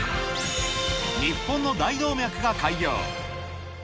日本の大動脈が開業。